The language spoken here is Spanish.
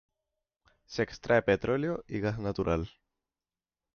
Se extrae petróleo y gas natural.